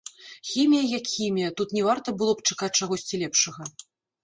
Хімія як хімія, тут не варта было б чакаць чагосьці лепшага.